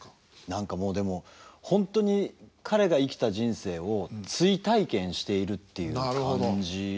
何かもうでも本当に彼が生きた人生を追体験しているっていう感じですかね。